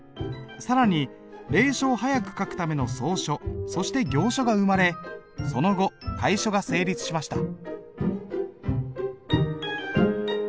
更に隷書を速く書くための草書そして行書が生まれその後楷書が成立しました。